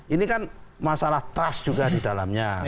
ini kan masalah trust juga di dalamnya